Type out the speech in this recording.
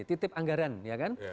titip anggaran ya kan